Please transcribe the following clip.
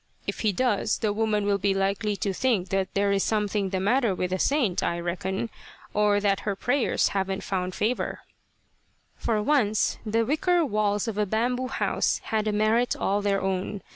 If he does, the woman will be likely to think that there is something the matter with the saint, I reckon, or that her prayers havn't found favour." For once the wicker walls of a bamboo house had a merit all their own.